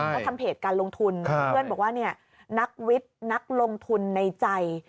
ก็ทำเพจการลงทุนเพื่อนบอกว่านักวิทย์นักลงทุนในใจ